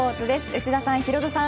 内田さん、ヒロドさん